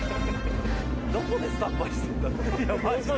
どこでスタンバイしてんだろ。